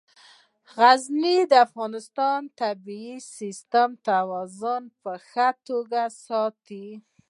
غزني د افغانستان د طبعي سیسټم توازن په ښه توګه ساتي.